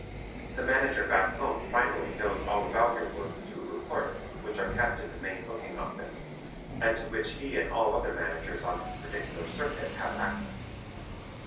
The manager back home finally knows all about your work through "reports" which are kept in the main booking office and to which he and all other managers on his particular circuit have access.